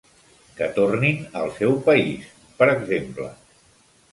Que tornin al seu país, per exemple.